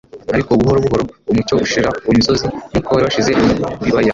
Ariko buhoro buhoro umucyo ushira ku misozi nk'uko wari washize mu bibaya,